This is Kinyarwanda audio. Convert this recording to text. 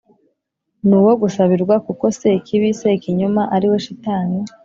ni uwo gusabirwa kuko Sekibi, Sekinyoma ariwe Shitani,